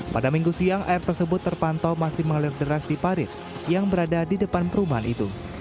pada minggu siang air tersebut terpantau masih mengalir deras di parit yang berada di depan perumahan itu